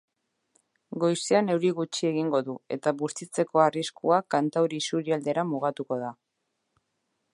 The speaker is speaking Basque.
Goizean euri gutxi egingo du eta bustitzeko arriskua kantauri isurialdera mugatuko da.